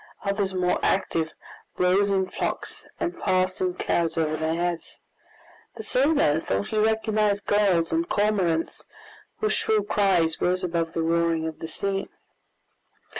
Others, more active, rose in flocks and passed in clouds over their heads. The sailor thought he recognized gulls and cormorants, whose shrill cries rose above the roaring of the sea.